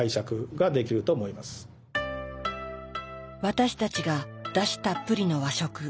私たちがだしたっぷりの和食